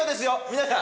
皆さん。